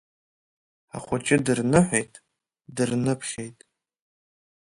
Ахәыҷы дырныҳәеит, дырныԥхьеит.